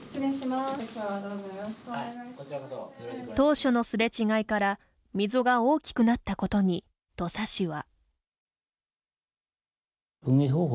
当初のすれ違いから、溝が大きくなったことに土佐市は。